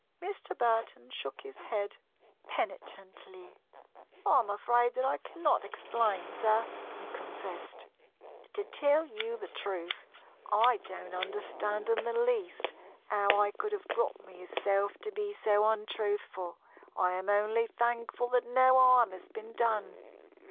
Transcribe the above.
Mr. Burton shook his head penitently. "I am afraid that I cannot explain, sir," he confessed. "To tell you the truth, I do not understand in the least how I could have brought myself to be so untruthful. I am only thankful that no harm has been done."